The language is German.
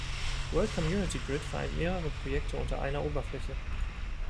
World Community Grid vereint mehrere Projekte unter einer Oberfläche.